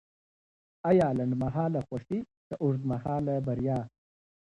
ایا لنډمهاله خوښي که اوږدمهاله بریا؟